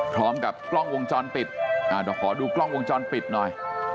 พร้อมกับกล้องวงจรปิดอ่าเดี๋ยวขอดูกล้องวงจรปิดหน่อย